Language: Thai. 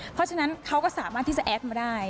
เพราะฉะนั้นเขาก็สามารถที่จะแอดมาได้